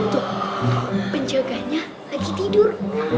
tuh penjaganya lagi tidur